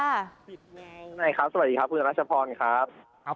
สวัสดีครับคุณราชภพรนะครับ